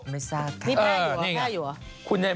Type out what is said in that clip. แพร่อยู่เหรอ